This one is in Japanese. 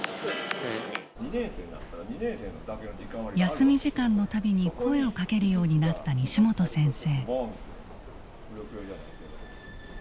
休み時間のたびに声をかけるようになった西本先生。